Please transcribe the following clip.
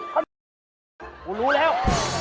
กูรู้แล้ว